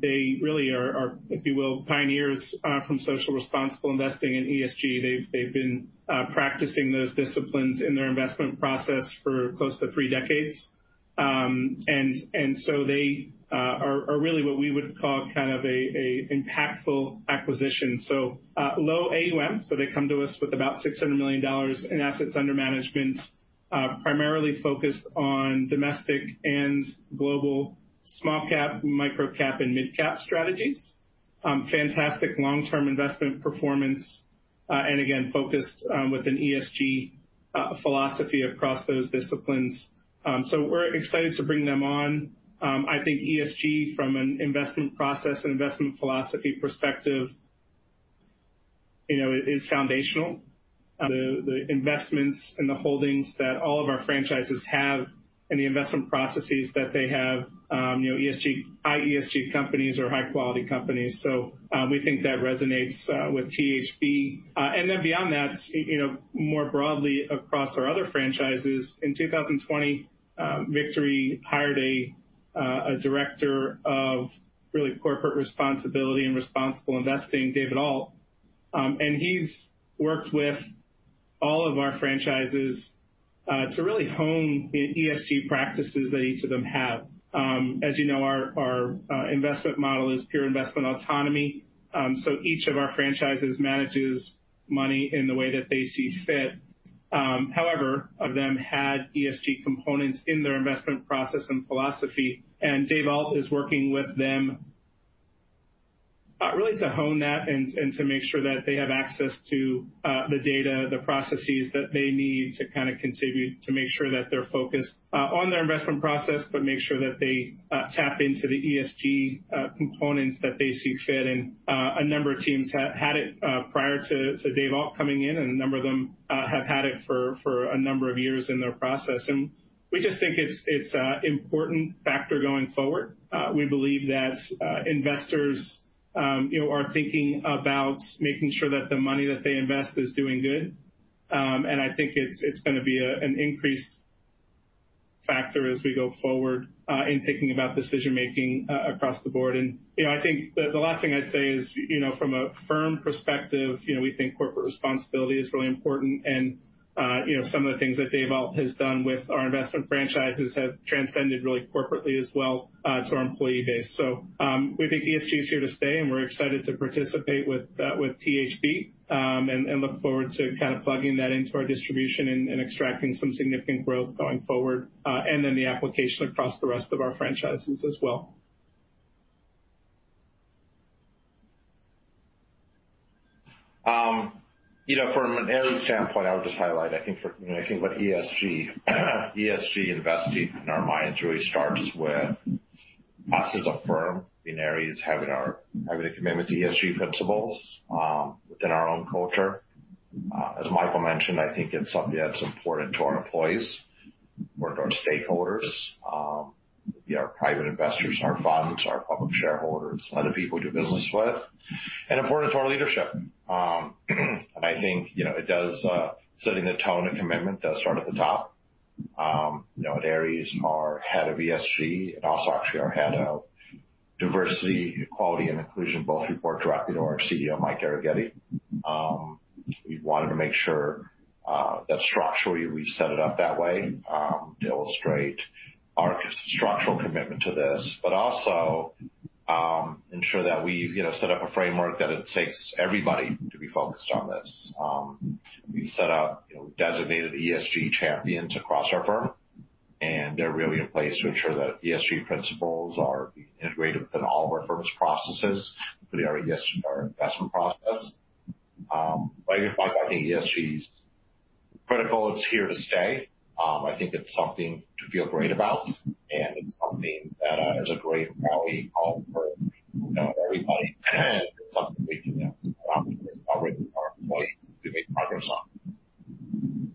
They really are, if you will, pioneers from social responsible investing in ESG. They've been practicing those disciplines in their investment process for close to three decades. They are really what we would call kind of a impactful acquisition. Low AUM. They come to us with about $600 million in assets under management, primarily focused on domestic and global small cap, micro cap, and midcap strategies. Fantastic long-term investment performance. Again, focused within ESG philosophy across those disciplines. We're excited to bring them on. I think ESG from an investment process and investment philosophy perspective is foundational. The investments and the holdings that all of our franchises have and the investment processes that they have, high ESG companies are high quality companies. We think that resonates with THB. Beyond that, more broadly across our other franchises, in 2020 Victory hired a director of really corporate responsibility and responsible investing, Dave Alt. He's worked with all of our franchises to really hone the ESG practices that each of them have. As you know, our investment model is pure investment autonomy. Each of our franchises manages money in the way that they see fit. However, all of them had ESG components in their investment process and philosophy, and Dave Alt is working with them really to hone that and to make sure that they have access to the data, the processes that they need to kind of continue to make sure that they're focused on their investment process, but make sure that they tap into the ESG components that they see fit. A number of teams had it prior to Dave Alt coming in, and a number of them have had it for a number of years in their process. We just think it's a important factor going forward. We believe that investors are thinking about making sure that the money that they invest is doing good. I think it's going to be an increased factor as we go forward in thinking about decision making across the board. I think the last thing I'd say is, from a firm perspective, we think corporate responsibility is really important and some of the things that Dave Alt has done with our investment franchises have transcended really corporately as well to our employee base. We think ESG is here to stay, and we're excited to participate with THB, and look forward to kind of plugging that into our distribution and extracting some significant growth going forward. The application across the rest of our franchises as well. From an Ares standpoint, I would just highlight, when I think about ESG investing in our minds really starts with us as a firm being Ares having a commitment to ESG principles within our own culture. As Michael mentioned, I think it's something that's important to our employees, important to our stakeholders, our private investors, our funds, our public shareholders, other people we do business with. Important to our leadership. I think setting the tone of commitment does start at the top. At Ares, our head of ESG, and also actually our head of diversity, equality, and inclusion, both report directly to our CEO, Michael Arougheti. We wanted to make sure that structurally we set it up that way to illustrate our structural commitment to this. Also ensure that we set up a framework that it takes everybody to be focused on this. We set up designated ESG champions across our firm, and they're really in place to ensure that ESG principles are being integrated within all of our firm's processes, including our investment process. Like Mike, I think ESG's critical. It's here to stay. I think it's something to feel great about, and it's something that is a great rally call for everybody and something we can optimistically work with our employees to make progress on.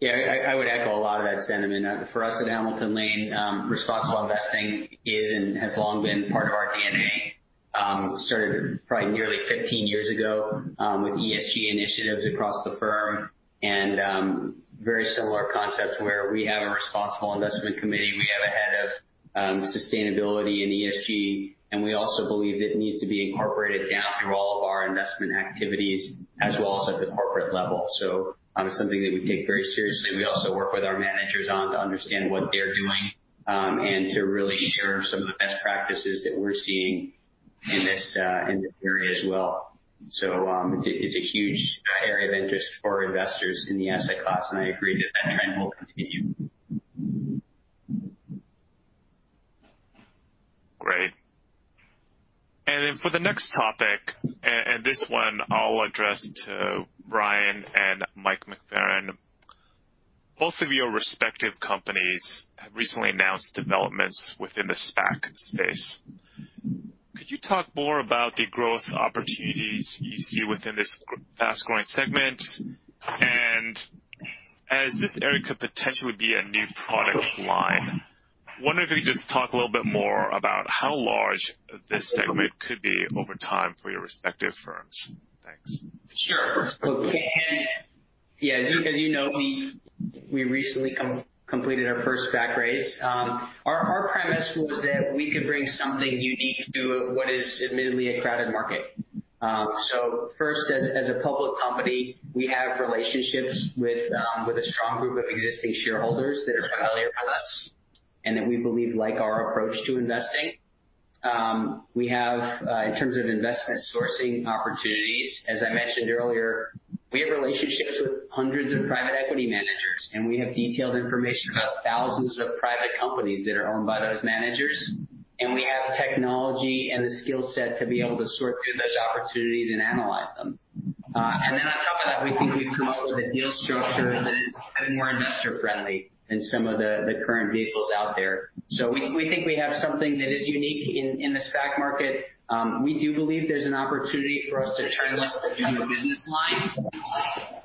Yeah, I would echo a lot of that sentiment. For us at Hamilton Lane, responsible investing is and has long been part of our DNA. Started probably nearly 15 years ago with ESG initiatives across the firm and very similar concepts where we have a responsible investment committee, we have a head of sustainability and ESG, and we also believe it needs to be incorporated down through all of our investment activities as well as at the corporate level. It's something that we take very seriously. We also work with our managers on to understand what they're doing, and to really share some of the best practices that we're seeing in this area as well. It's a huge area of interest for investors in the asset class, and I agree that that trend will continue. Great. Then for the next topic, and this one I'll address to Brian and Mike McFerran. Both of your respective companies have recently announced developments within the SPAC space. Could you talk more about the growth opportunities you see within this fast-growing segment? As this area could potentially be a new product line, I wonder if you could just talk a little bit more about how large this segment could be over time for your respective firms. Thanks. Sure. Okay. Yeah, as you know, we recently completed our first SPAC raise. Our premise was that we could bring something unique to what is admittedly a crowded market. First, as a public company, we have relationships with a strong group of existing shareholders that are familiar with us, and that we believe like our approach to investing. We have, in terms of investment sourcing opportunities, as I mentioned earlier, we have relationships with hundreds of private equity managers, and we have detailed information about thousands of private companies that are owned by those managers. We have the technology and the skill set to be able to sort through those opportunities and analyze them. On top of that, we think we've come up with a deal structure that is a bit more investor-friendly than some of the current vehicles out there. We think we have something that is unique in the SPAC market. We do believe there's an opportunity for us to turn this into a business line.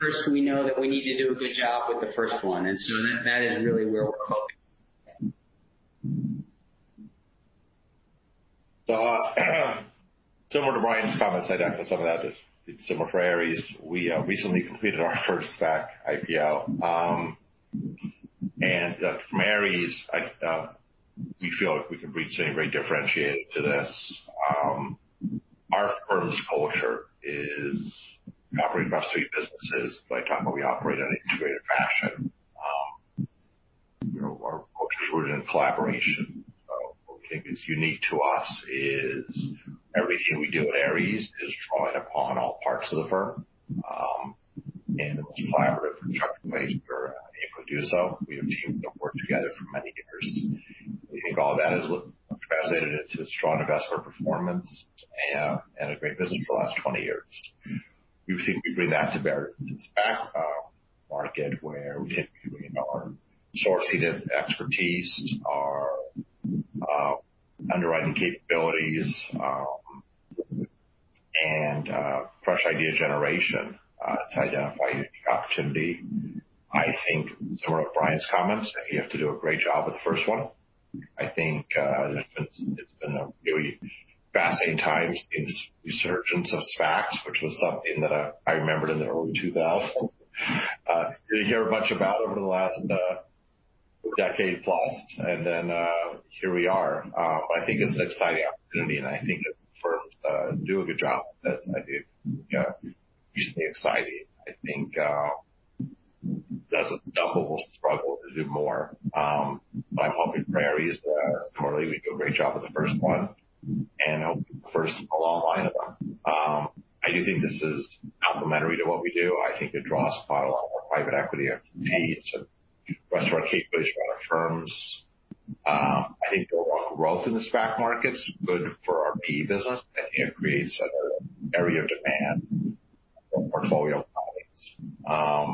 First, we know that we need to do a good job with the first one, and so that is really where we're focused. Similar to Brian's comments, I'd echo some of that. It's similar for Ares. We recently completed our first SPAC IPO. From Ares, we feel like we can bring some great differentiator to this. Our firm's culture is operating across three businesses, but we operate in an integrated fashion. Our culture is rooted in collaboration. What we think is unique to us is everything we do at Ares is drawing upon all parts of the firm, and in the most collaborative and structured way we are able to do so. We have teams that have worked together for many years. We think all that has translated into strong investor performance and a great business for the last 20 years. We think we bring that to bear in this SPAC market, where we can bring our sourcing expertise, our underwriting capabilities, and fresh idea generation to identify unique opportunity. I think similar to Brian's comments, you have to do a great job with the first one. I think it's been a really fascinating time, seeing this resurgence of SPACs, which was something that I remembered in the early 2000s. Then here we are. I think it's an exciting opportunity, and I think if the firms do a good job with this, I think it could be exciting. I think there's a double struggle to do more. I'm hoping for Ares that certainly we do a great job with the first one, and it will be the first in a long line of them. I do think this is complementary to what we do. I think it draws upon a lot of our private equity expertise and the rest of our capabilities around our firms. I think the overall growth in the SPAC market's good for our PE business. I think it creates another area of demand for portfolio companies. I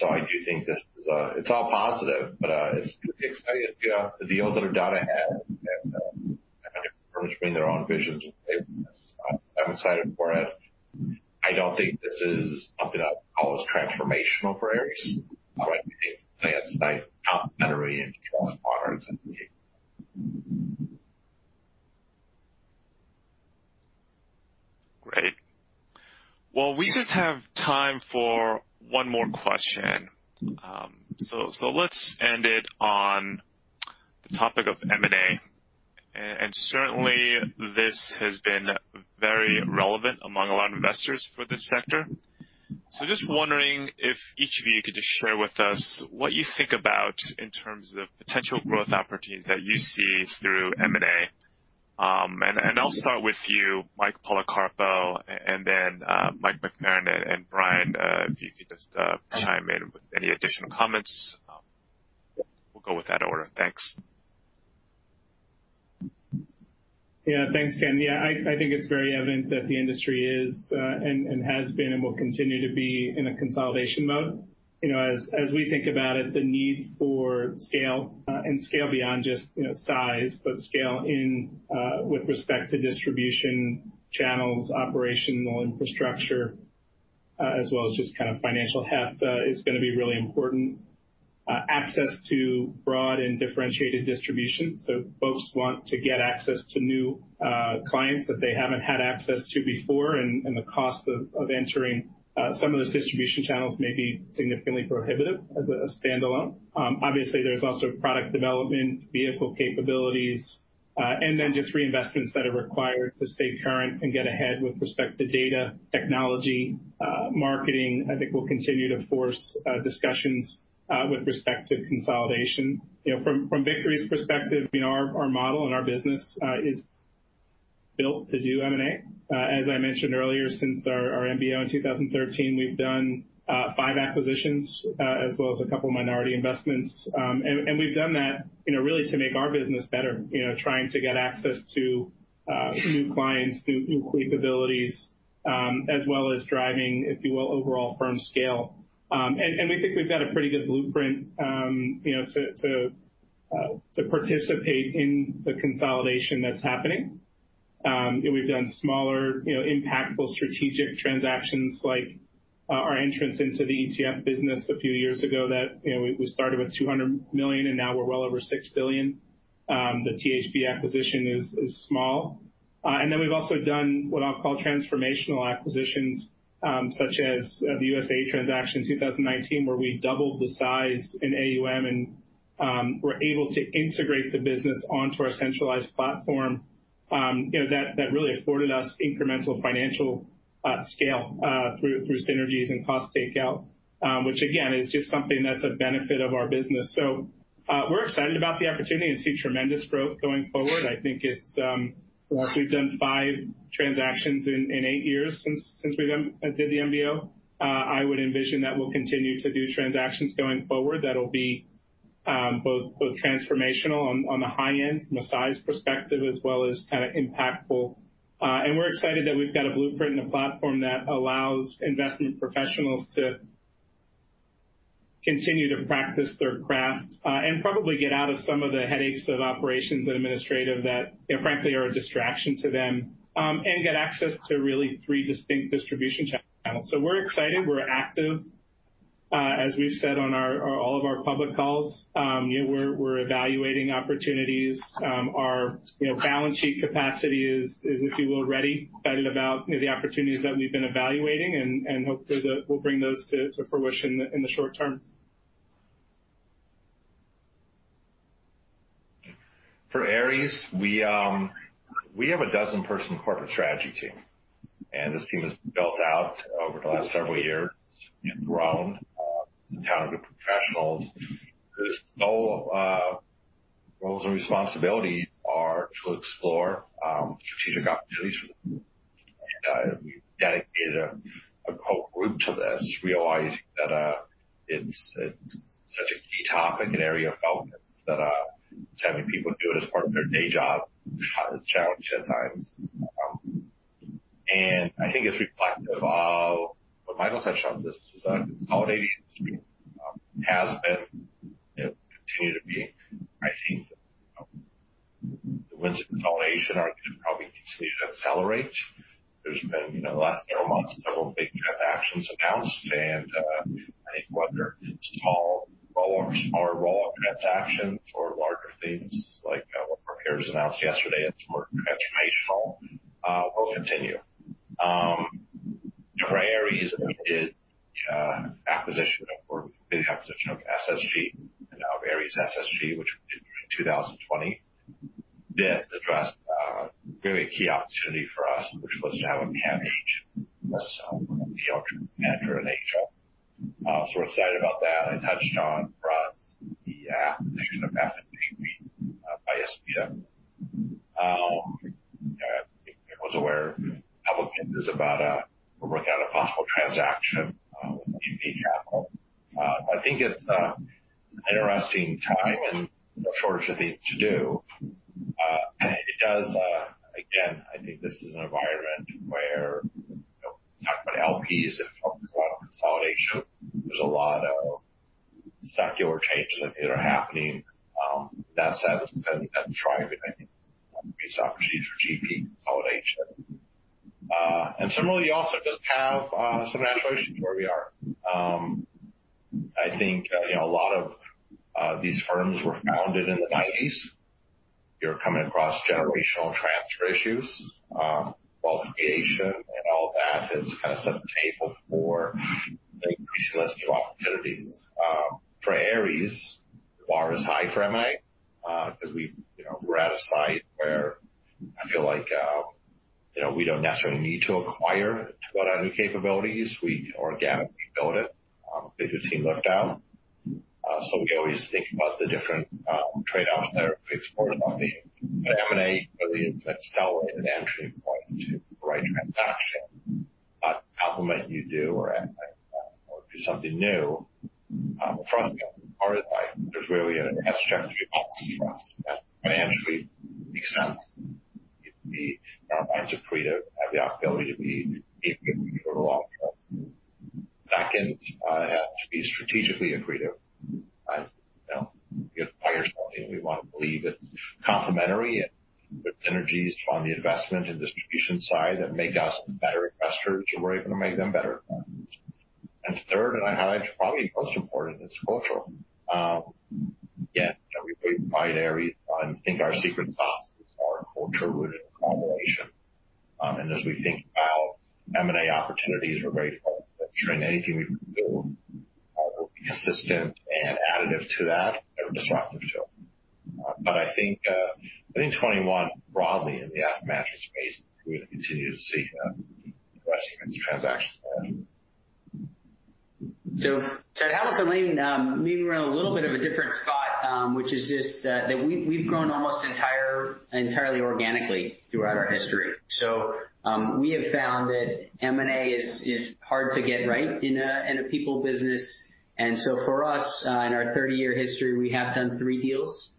do think it's all positive, but it's going to be exciting to see the deals that are done ahead and how different firms bring their own visions and. [audio distortion] I'm excited for it. I don't think this is something I'll call as transformational for Ares. I think it's a nice complementary and drawing partners in PE. Great. We just have time for one more question. Let's end it on the topic of M&A. Certainly, this has been very relevant among a lot of investors for this sector. Just wondering if each of you could just share with us what you think about in terms of potential growth opportunities that you see through M&A. I'll start with you, Mike Policarpo, and then Mike McFerran and Brian, if you could just chime in with any additional comments. We'll go with that order. Thanks. Yeah. Thanks, Ken. Yeah, I think it's very evident that the industry is, and has been, and will continue to be in a consolidation mode. As we think about it, the need for scale, and scale beyond just size, but scale in with respect to distribution channels, operational infrastructure, as well as just kind of financial heft is going to be really important. Access to broad and differentiated distribution. Folks want to get access to new clients that they haven't had access to before, and the cost of entering some of those distribution channels may be significantly prohibitive as a standalone. Obviously, there's also product development, vehicle capabilities, and then just reinvestments that are required to stay current and get ahead with respect to data, technology, marketing, I think, will continue to force discussions with respect to consolidation. From Victory's perspective, our model and our business is built to do M&A. As I mentioned earlier, since our MBO in 2013, we've done five acquisitions, as well as a couple of minority investments. We've done that really to make our business better, trying to get access to new clients, new capabilities, as well as driving, if you will, overall firm scale. I think we've got a pretty good blueprint to participate in the consolidation that's happening. We've done smaller, impactful strategic transactions like our entrance into the ETF business a few years ago that we started with $200 million and now we're well over $6 billion. The THB acquisition is small. We've also done what I'll call transformational acquisitions, such as the USAA transaction in 2019, where we doubled the size in AUM and were able to integrate the business onto our centralized platform. That really afforded us incremental financial scale through synergies and cost takeout, which again, is just something that's a benefit of our business. We're excited about the opportunity and see tremendous growth going forward. Once we've done five transactions in eight years since we did the MBO, I would envision that we'll continue to do transactions going forward that'll be both transformational on the high end from a size perspective as well as impactful. We're excited that we've got a blueprint and a platform that allows investment professionals to continue to practice their craft and probably get out of some of the headaches of operations and administrative that, frankly, are a distraction to them, and get access to really three distinct distribution channels. We're excited. We're active. As we've said on all of our public calls, we're evaluating opportunities. Our balance sheet capacity is, if you will, ready. Excited about the opportunities that we've been evaluating and hopefully we'll bring those to fruition in the short term. For Ares, we have a dozen-person corporate strategy team, and this team has built out over the last several years and grown, talented professionals whose sole roles and responsibility are to explore strategic opportunities for the group. We've dedicated a whole group to this, realizing that it's such a key topic and area of focus that having people do it as part of their day job is challenging at times. I think it's reflective of what Michael touched on. This is a consolidating industry, has been and will continue to be. I think the winds of consolidation are going to probably continue to accelerate. There's been, in the last several months, several big transactions announced. I think whether it's small roll-up transactions or larger things like what our peers announced yesterday, it's more transformational, will continue. For Ares, we did the acquisition of SSG, and now Ares SSG, which we did in 2020. This addressed really a key opportunity for us, which was to have a manager in Asia. We're excited about that. I touched on from the acquisition of. [audio distortion] If everyone's aware, public read about, we're working on a possible transaction with AMP Capital. I think it's an interesting time and no shortage of things to do. It does, again, I think this is an environment where we talk about LPs and talk about consolidation. There's a lot of secular changes that are happening. That said, it's going to try everything. It creates opportunities for GP consolidation. Similarly, also does have some natural issues where we are. I think a lot of these firms were founded in the 1990s. You're coming across generational transfer issues. Wealth creation and all that has set the table for an increasing list of new opportunities. For Ares, the bar is high for M&A because we're at a site where I feel like we don't necessarily need to acquire to add new capabilities. We can organically build it. It's a team lift-out. We always think about the different trade-offs that are explored on the M&A, really accelerate an entry point to the right transaction, complement you do or do something new. For us, the bar is high. There's really a test check to be positive for us that financially makes sense. It can be our minds accretive, have the ability to be accretive over the long term. Second, it has to be strategically accretive. If buyers want it, we want to believe it's complementary. It synergies from the investment and distribution side that make us better investors, or we're able to make them better. Third, and probably most important, it's cultural. Again, we believe by Ares, I think our secret sauce is our culture rooted. [audio distortion] As we think about M&A opportunities, we're very focused on ensuring anything we can do will be consistent and additive to that or disruptive to it. I think 2021 broadly in the asset management space, we're going to continue to see aggressive M&A transactions. At Hamilton Lane, we run a little bit of a different spot, which is just that we've grown almost entirely organically throughout our history. We have found that M&A is hard to get right in a people business. For us, in our 30-year history, we have done three deals.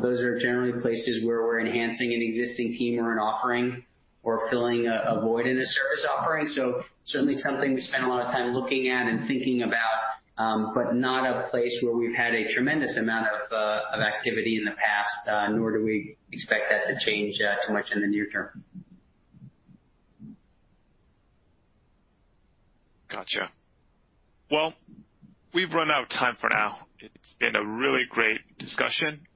Those are generally places where we're enhancing an existing team or an offering or filling a void in a service offering. Certainly something we spend a lot of time looking at and thinking about, but not a place where we've had a tremendous amount of activity in the past, nor do we expect that to change too much in the near term. Got you. Well, we've run out of time for now. It's been a really great discussion.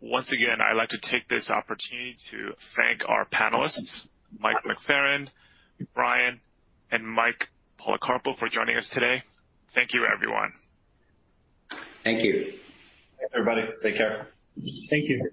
Once again, I'd like to take this opportunity to thank our panelists, Mike McFerran, Brian, and Mike Policarpo for joining us today. Thank you, everyone. Thank you. Thanks, everybody. Take care. Thank you.